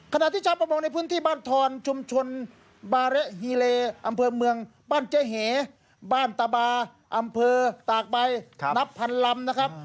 ขณะที่ชาวประมงในพื้นที่บ้านทอนชุมชนบาเละฮีเลอำเภอเมืองบ้านเจ๊เหบ้านตะบาอำเภอตากใบนับพันลำนะครับ